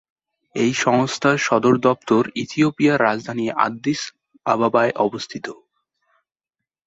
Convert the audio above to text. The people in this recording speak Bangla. এই সংস্থার সদর দপ্তর ইথিওপিয়ার রাজধানী আদ্দিস আবাবায় অবস্থিত।